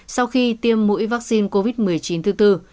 sau khi tiêm mũi vaccine covid một mươi chín thứ tư